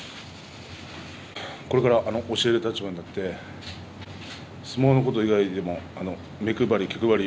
これから教える立場になって相撲のこと以外でも目配り、気配り